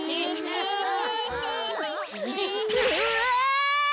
うわ！